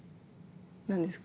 何ですか？